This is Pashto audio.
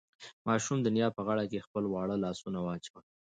ماشوم د نیا په غاړه کې خپل واړه لاسونه واچول.